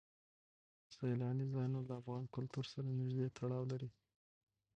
سیلاني ځایونه له افغان کلتور سره نږدې تړاو لري.